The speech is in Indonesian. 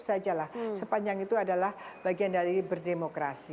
sajalah sepanjang itu adalah bagian dari berdemokrasi